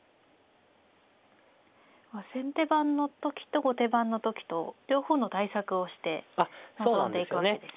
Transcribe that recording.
先手番の時と後手番の時と両方の対策をして臨んでいくわけですね。